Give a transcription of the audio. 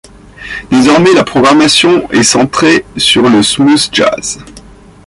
Désormais, la programmation est centrée sur le smooth jazz.